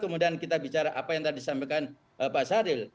kemudian kita bicara apa yang tadi disampaikan pak saril